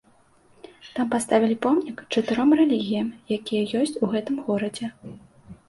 Там паставілі помнік чатыром рэлігіям, якія ёсць у гэтым горадзе.